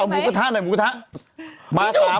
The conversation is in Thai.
หมูกระทะหน่อยหมูกระทะ